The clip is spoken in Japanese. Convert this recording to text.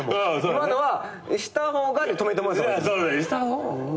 今のは「した方が」で止めてもらった方が。